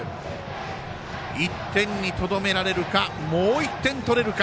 １点にとどめられるかもう１点取れるか。